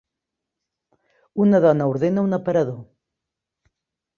Una dona ordena un aparador.